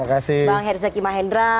bang herzaki mahendra